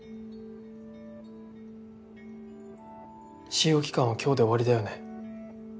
試用期間は今日で終わりだよね。